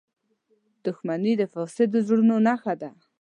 • دښمني د فاسدو زړونو نښه ده.